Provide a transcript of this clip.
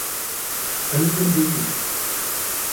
À l’Hôtel de Ville!